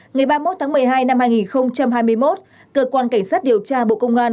ngày ba mươi một tháng một mươi hai năm hai nghìn hai mươi một cơ quan cảnh sát điều tra bộ công an